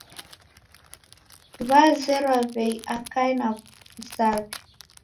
Wazerwa w'ei akae ni msaw'i.